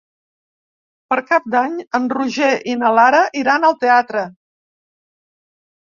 Per Cap d'Any en Roger i na Lara iran al teatre.